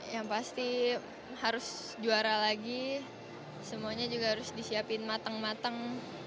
yang pasti harus juara lagi semuanya juga harus disiapin mateng mateng